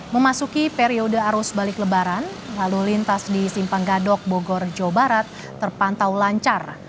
memasuki periode arus balik lebaran lalu lintas di simpang gadok bogor jawa barat terpantau lancar